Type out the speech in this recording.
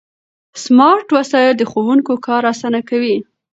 سمارټ وسایل د ښوونکو کار اسانه کوي.